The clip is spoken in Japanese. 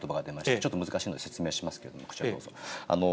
ちょっと難しいので、説明しますけれども、こちらをどうぞ。